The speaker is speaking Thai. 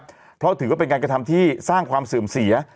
เพราะถือว่าเป็นการกระทำที่สร้างความเสื่อมเสีย